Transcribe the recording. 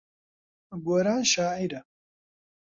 گۆران شاعیرە.